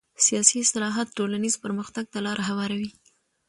سیاسي اصلاحات ټولنیز پرمختګ ته لاره هواروي